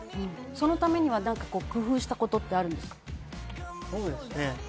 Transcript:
そのためには工夫したことってあるんですか？